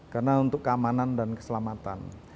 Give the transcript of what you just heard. karena untuk keamanan dan keselamatan